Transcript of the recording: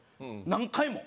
何回も。